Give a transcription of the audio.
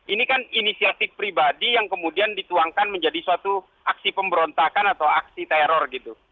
ini kan inisiatif pribadi yang kemudian dituangkan menjadi suatu aksi pemberontakan atau aksi teror gitu